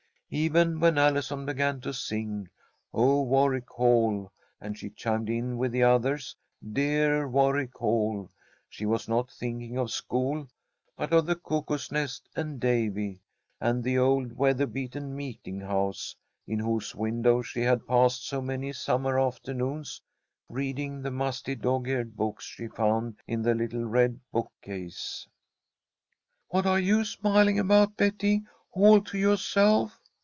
Even when Allison began to sing "O Warwick Hall," and she chimed in with the others, "Dear Warwick Hall," she was not thinking of school, but of the Cuckoo's Nest, and Davy, and the old weather beaten meeting house, in whose window she had passed so many summer afternoons, reading the musty dog eared books she found in the little red bookcase. "What are you smiling about, Betty, all to yoahself?"